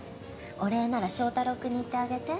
お礼なら正太郎君に言ってあげて。